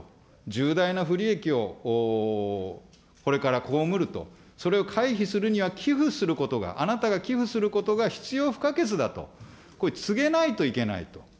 重大な不利益をこれから被ると、それを回避するには、寄付することが、あなたが寄付することが必要不可欠だと、これ、告げないといけないと。